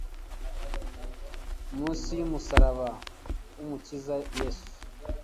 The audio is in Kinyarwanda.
Munsi yumusaraba wumukiza Yesu